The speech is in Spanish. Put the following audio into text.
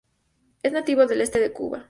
Es nativo del este de Cuba.